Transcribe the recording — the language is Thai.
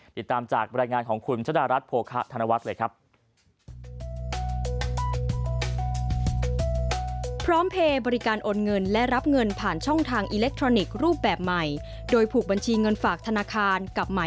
ติดตามจากบรรยายงานของคุณชะดารัฐโภคะธนวัฒน์เลยครับ